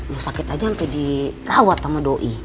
lo sakit aja sampe dirawat sama doi